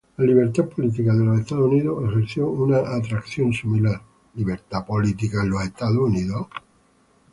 La libertad política de los Estados Unidos ejerció una atracción similar.